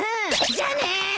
じゃあね！